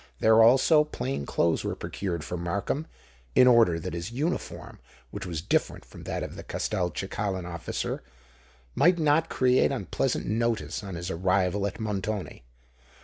There, also, plain clothes were procured for Markham, in order that his uniform (which was different from that of the Castelcicalan officer) might not create unpleasant notice on his arrival at Montoni.